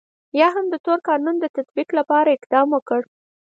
یا هم د تور قانون د تطبیق لپاره اقدام وکړ.